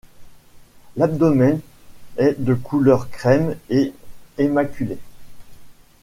L'abdomen est de couleur crème et immaculée.